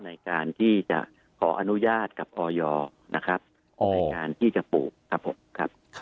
ในการที่จะขออนุญาตกับออยนะครับในการที่จะปลูกครับผมครับ